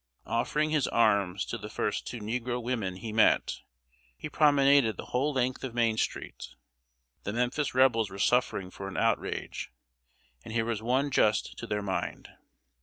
Offering his arms to the first two negro women he met, he promenaded the whole length of Main street. The Memphis Rebels were suffering for an outrage, and here was one just to their mind.